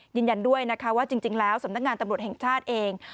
ยืนยันด้วยนะคะว่าจริงแล้วสำนักงานตำรวจแห่งชาติเอง